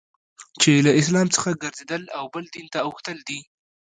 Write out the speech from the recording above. چي له اسلام څخه ګرځېدل او بل دین ته اوښتل دي.